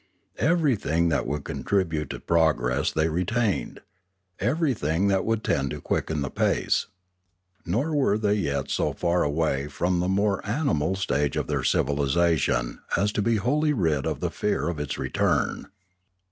Everything that would contribute to progress they re tained, everything that would tend to quicken the pace. Nor were they yet so far away from the more animal stage of their civilisation as to be wholly rid of the fear of its return.